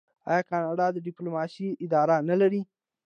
آیا کاناډا د ډیپلوماسۍ اداره نلري؟